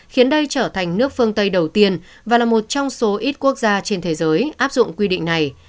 khiến đây trở thành nước phương tây đầu tiên và là một trong số ít quốc gia trên thế giới áp dụng quy định này